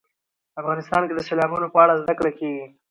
افغانستان کې د سیلابونه په اړه زده کړه کېږي.